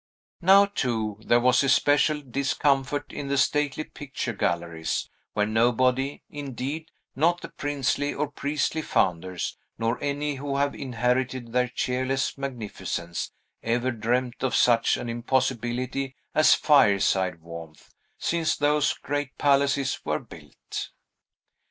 Now, too, there was especial discomfort in the stately picture galleries, where nobody, indeed, not the princely or priestly founders, nor any who have inherited their cheerless magnificence, ever dreamed of such an impossibility as fireside warmth, since those great palaces were built.